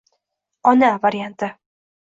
“Ona” varianti